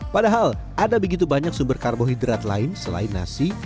padahal ada begitu banyak sumber karbohidrat lain selain nasi